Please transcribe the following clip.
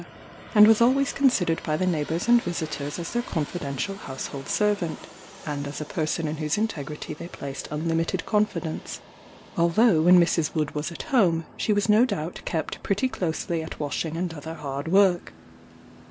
and was always considered by the neighbours and visitors as their confidential household servant, and as a person in whose integrity they placed unlimited confidence, although when Mrs. Wood was at home, she was no doubt kept pretty closely at washing and other hard work.